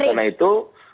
oleh karena itu